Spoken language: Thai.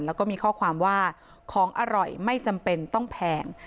แล้วก็มีข้อความว่าของอร่อยไม่จำเป็นต้องแพง